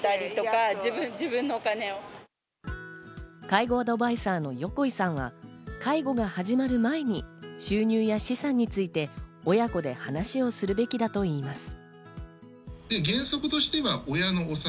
介護アドバイザーの横井さんは介護が始まる前に収入や資産について親子で話をするべきだといいます。